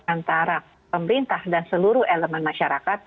antara pemerintah dan seluruh elemen masyarakat